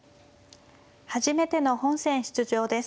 初めての本戦出場です。